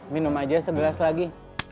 minum aja sebelas lagi